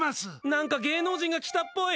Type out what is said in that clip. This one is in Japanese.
なんか芸能人が来たっぽい！